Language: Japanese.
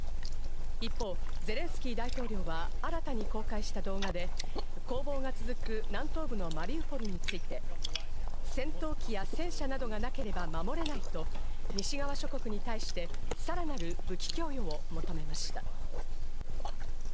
一方、ゼレンスキー大統領は新たに公開した動画で、攻防が続く南東部のマリウポリについて、戦闘機や戦車などがなければ守れないと西側諸国に対して、さらなる武器供与を求めました。